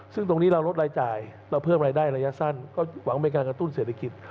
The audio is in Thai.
ซึ่งตรงนี้เราลดรายจ่ายเราเพิ่มรายได้ระยะสั้นก็หวังเป็นการกระตุ้นเศรษฐกิจ